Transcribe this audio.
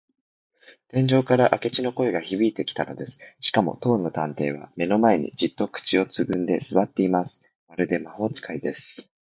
天井から明智の声がひびいてきたのです。しかも、当の探偵は目の前に、じっと口をつぐんですわっています。まるで魔法使いです。